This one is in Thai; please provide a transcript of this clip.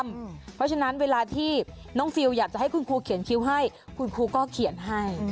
เพราะฉะนั้นเวลาที่น้องฟิลอยากจะให้คุณครูเขียนคิ้วให้คุณครูก็เขียนให้